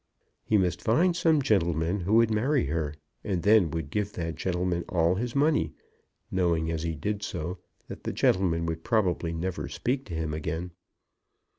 He must find some gentleman who would marry her, and then would give that gentleman all his money, knowing as he did so that the gentleman would probably never speak to him again.